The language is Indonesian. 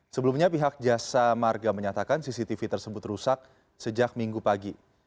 sebelumnya pihak jasa marga menyatakan cctv tersebut rusak sejak minggu pagi